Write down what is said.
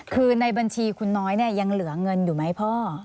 คือในบัญชีคุณน้อยเนี่ยยังเหลือเงินอยู่ไหมพ่อ